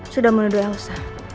sudah menuduh elsa